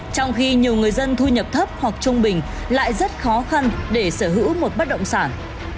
trong khi nhiều người dân thu nhập thấp hoặc trung bình lại rất khó khăn để sở hữu một bất động sản